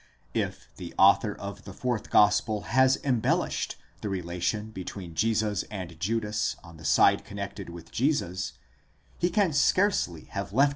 If the author of the fourth gospel has embellished the relation between Jesus and Judas on the side connected with Jesus, he can scarcely 9 Orig.